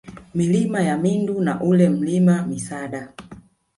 Milima ya Mindu na ule Mlima Misada